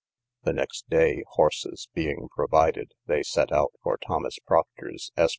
The next day, horses being provided, they set out for Thomas Proctor's, Esq.